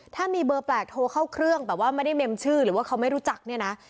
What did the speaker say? ถ้ามีเบอร์แปลกโทรเข้าเครื่องแบบว่าไม่ได้เมมชื่อหรือว่าเขาไม่รู้จักเนี่ยนะ